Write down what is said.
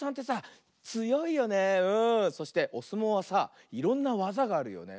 そしておすもうはさいろんなわざがあるよね。